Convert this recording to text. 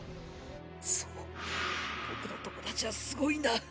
そう僕の友達はすごいんだ。